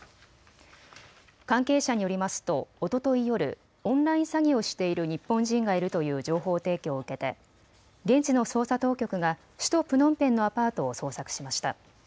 関係者によりますとおととい夜、オンライン詐欺をしている日本人がいるという情報提供を受けて現地の捜査当局が首都プノンペンのアパートを捜索しました。